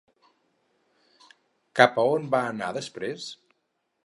Cap a on va anar després?